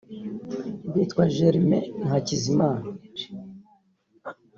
bitwa Germain na Hakizimana